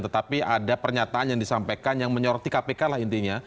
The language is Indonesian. tetapi ada pernyataan yang disampaikan yang menyoroti kpk lah intinya